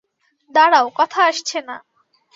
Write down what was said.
দাঁড়াও, কথা আসছে না।